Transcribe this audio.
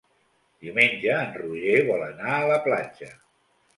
Diumenge en Roger vol anar a la platja.